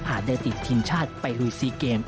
อาจได้ติดทินชาติไปรุยซีเกม